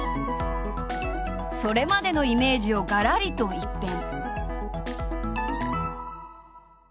それまでのイメージをがらりと一変。